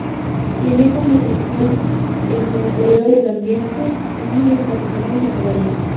Tiene como misión el monitoreo del ambiente y de catástrofes naturales.